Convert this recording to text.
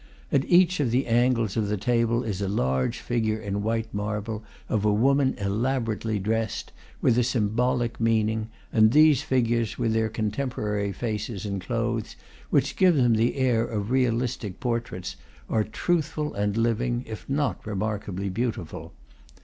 At each of the angles of the table is a large figure in white marble of a woman elaborately dressed, with a symbolic meaning, and these figures, with their contemporary faces and clothes, which give them the air of realistic portraits, are truthful and liv ing, if not remarkably beautiful.